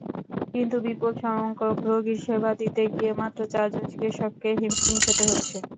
কিন্তু বিপুলসংখ্যক রোগীর সেবা দিতে গিয়ে মাত্র চারজন চিকিৎসককে হিমশিম খেতে হচ্ছে।